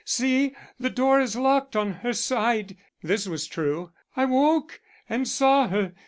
See! the door is locked on her side." This was true. "I woke and saw her.